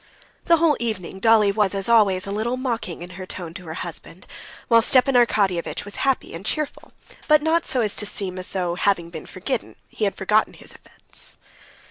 The whole evening Dolly was, as always, a little mocking in her tone to her husband, while Stepan Arkadyevitch was happy and cheerful, but not so as to seem as though, having been forgiven, he had forgotten his offense.